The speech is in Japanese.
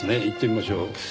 行ってみましょう。